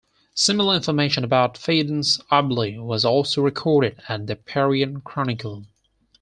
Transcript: Similar information about Pheidon's obeloi was also recorded at the Parian Chronicle.